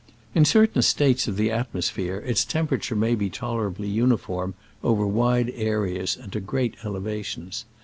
In certain states of the atmosphere its temperature may be tolerably uni form over wide areas and to great ele vations.